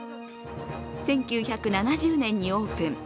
１９７０年にオープン。